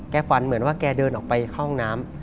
ฝันเหมือนว่าแกเดินออกไปเข้าห้องน้ำ